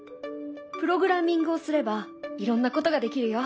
プログラミングをすればいろんなことができるよ。